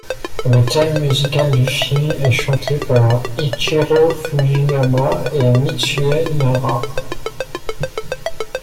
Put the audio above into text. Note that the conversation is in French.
Le thème musical du film est chanté par Ichirō Fujiyama et Mitsue Nara.